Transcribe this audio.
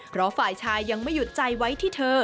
เพราะฝ่ายชายยังไม่หยุดใจไว้ที่เธอ